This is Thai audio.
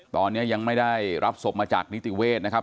ตอนนี้ยังไม่ได้รับศพมาจากนิติเวศนะครับ